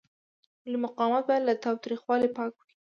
ولې مقاومت باید له تاوتریخوالي پاک وي؟